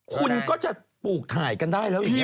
คุณก็จะปลูกถ่ายกันได้แล้วอย่างนี้